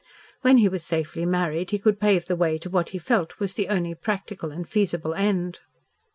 When he was safely married, he could pave the way to what he felt was the only practical and feasible end.